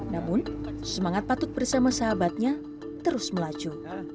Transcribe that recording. namun semangat patut bersama sahabatnya terus melaju